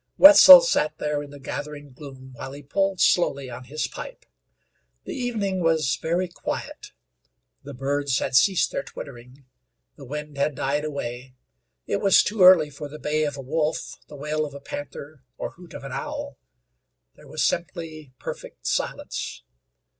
Wetzel sat there in the gathering gloom while he pulled slowly on his pipe. The evening was very quiet; the birds had ceased their twittering; the wind had died away; it was too early for the bay of a wolf, the wail of a panther, or hoot of an owl; there was simply perfect silence.